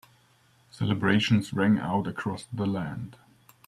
Celebrations rang out across the land.